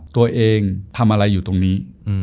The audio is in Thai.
ตัวเองทำอะไรอยู่ตรงนี้